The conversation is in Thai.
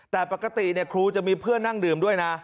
แต่ปกติครูจะมีเพื่อนนั่งดื่มด้วยนะ